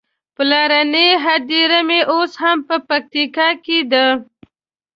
پلرنۍ هديره مې اوس هم په پکتيکا کې ده.